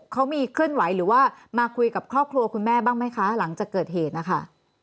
เขามีเคลื่อนไหวหรือว่ามาคุยกับครอบครัวคุณแม่บ้างไหมคะหลังจากเกิดเหตุนะคะ